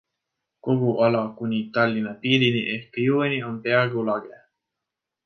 Kogu ala kuni Tallinna piirini ehk jõeni on peaaegu lage.